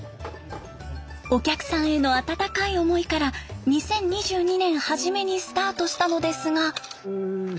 お客さんへの温かい思いから２０２２年初めにスタートしたのですが。